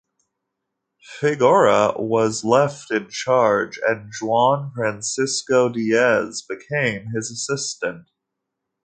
Figueroa was left in charge, and Juan Francisco Diez became his assistant.